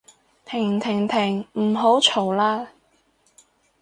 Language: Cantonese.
停停停唔好嘈喇